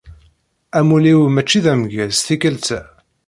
Amuli-w mačči d ameggaz tikelt-a.